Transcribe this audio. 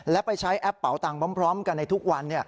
และไปใช้แอปเป่าตังค์พร้อมกันในทุกวัน